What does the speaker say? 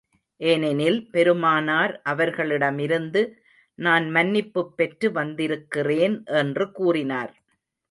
ஏனெனில் பெருமானார் அவர்களிடமிருந்து நான் மன்னிப்புப் பெற்று வந்திருக்கிறேன் என்று கூறினார்.